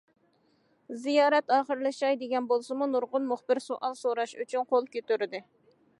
زىيارەت ئاخىرلىشاي دېگەن بولسىمۇ، نۇرغۇن مۇخبىر سوئال سوراش ئۈچۈن قول كۆتۈردى.